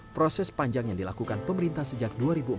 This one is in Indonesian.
proses panjang yang dilakukan pemerintah sejak dua ribu empat belas